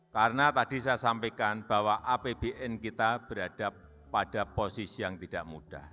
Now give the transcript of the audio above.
karena tadi saya sampaikan bahwa apbn kita berada pada posisi yang tidak mudah